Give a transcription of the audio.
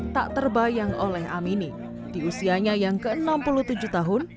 tak terbayang oleh amini di usianya yang ke enam puluh tujuh tahun